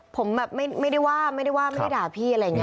ผมแบบไม่ได้ว่าไม่ได้ว่าไม่ได้ด่าพี่อะไรอย่างนี้